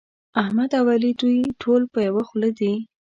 احمد او علي دوی ټول په يوه خوله دي.